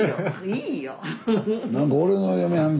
いいよ！